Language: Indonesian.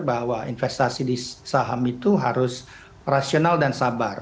bahwa investasi di saham itu harus rasional dan sabar